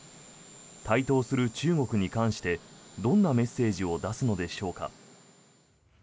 台頭する中国に関してどんなメッセージを出すのでしょうか。